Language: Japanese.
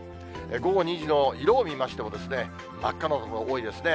午後２時の色を見ましても、真っ赤な所が多いですね。